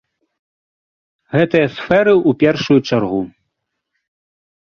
Гэтыя сферы ў першую чаргу.